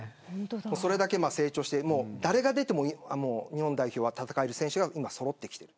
それだけ成長して誰が出ても日本代表は戦える選手がそろってきている。